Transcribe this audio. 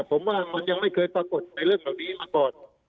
ผมว่ามันยังไม่เคยปรากฏในเรื่องเหล่านี้มาก่อน